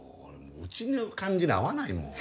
家の感じに合わないもん。